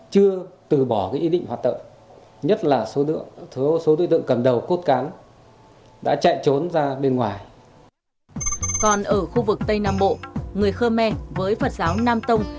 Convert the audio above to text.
còn ở khu vực tây nam bộ người khơ me với phật giáo nam tông